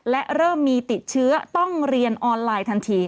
และเริ่มมีติดเชื้อต้องเรียนออนไลน์ทันที